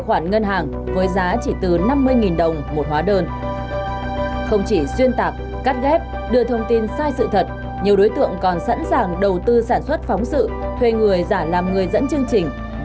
hãy đăng ký kênh để ủng hộ kênh của chúng mình nhé